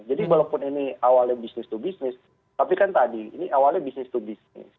jadi walaupun ini awalnya bisnis to bisnis